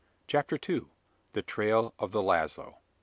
CHAPTER TWO. THE TRAIL OF THE LAZO.